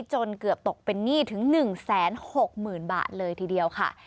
จนเกือบตกเป็นหนี้ถึง๑๖๐๐๐บาทเลยทีเดียวค่ะ